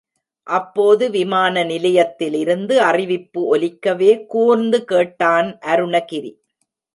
அப்போது விமான நிலையத்திலிருந்து அறிவிப்பு ஒலிக்கவே கூர்ந்து கேட்டான் அருணகிரி.